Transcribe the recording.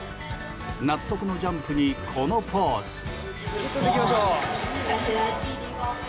納得のジャンプに、このポーズ。